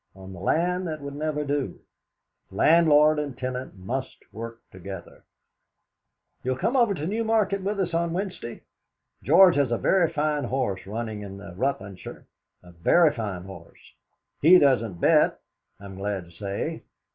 On the land that would never do. Landlord and tenant must work together. You'll come over to Newmarket with us on Wednesday? George has a very fine horse running in the Rutlandshire a very fine horse. He doesn't bet, I'm glad to say.